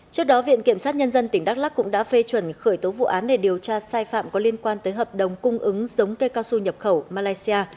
trước đó viện kiểm sát nhân dân tỉnh đắk lắc cũng đã phê chuẩn khởi tố vụ án để điều tra sai phạm có liên quan tới hợp đồng cung ứng giống cây cao su nhập khẩu malaysia